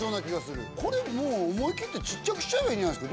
これもう思いきってちっちゃくしちゃえばいいんじゃないですか？